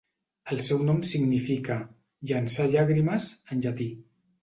El seu nom significa "llançar llàgrimes" en llatí.